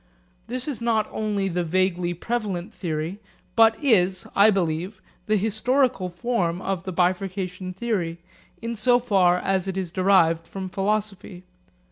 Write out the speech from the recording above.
This is not only the vaguely prevalent theory, but is, I believe, the historical form of the bifurcation theory in so far as it is derived from philosophy.